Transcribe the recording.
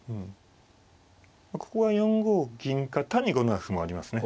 ここは４五銀か単に５七歩もありますね。